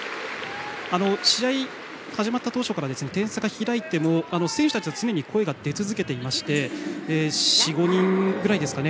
試合始まった当初から点差が開いても、選手たちは常に声が出続けていまして４５人ぐらいですかね